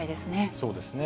そうですね。